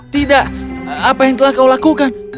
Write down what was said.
tidak apa yang telah kau lakukan